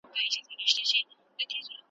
ځه! میده قدم وهه بـهاره زنداباد